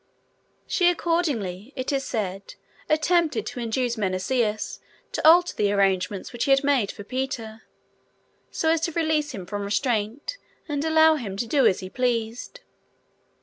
She accordingly, it is said, attempted to induce Menesius to alter the arrangements which he had made for Peter, so as to release him from restraint, and allow him to do as he pleased.